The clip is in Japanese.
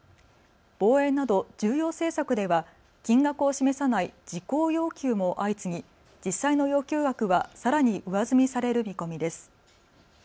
防衛など重要政策では金額を示さない事項要求も相次ぎ実際の要求額はさらに上積みされる見込みです。